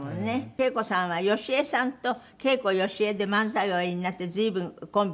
桂子さんは好江さんと桂子・好江で漫才をおやりになって随分コンビ